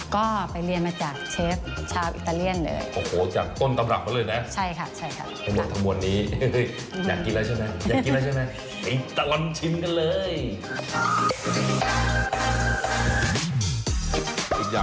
ก็ไปเรียนมาจากเชฟชาวอิตาเลียนเลย